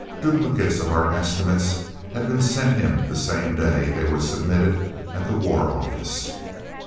Duplicates of our estimates had been sent him the same day they were submitted at the War Office.